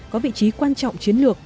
có vị trí quan trọng chiến lược